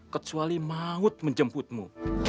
kecuali maut menjemputmu